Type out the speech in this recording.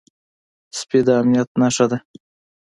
سپي د امنيت نښه ده.